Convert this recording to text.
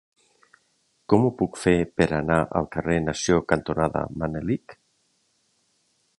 Com ho puc fer per anar al carrer Nació cantonada Manelic?